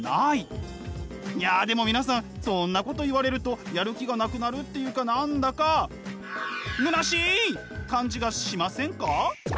いやでも皆さんそんなこと言われるとやる気がなくなるというか何だか虚しい感じがしませんか？